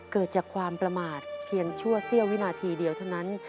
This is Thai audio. เกิดจากความประมาทเพียงชั่วเสี้ยววินาทีเดียวเท่านั้น